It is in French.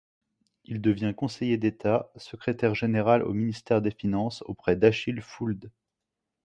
Il devient Conseiller d'état, secrétaire général au ministère des finances auprès d'Achille Fould.